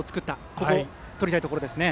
こことりたいところですね。